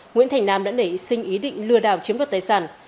nguyễn thành nam đã nảy sinh ý định lừa đảo chiếm đoạt tài sản